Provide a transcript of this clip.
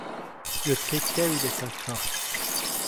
گوێچکەی پیاوی دەکا کەڕ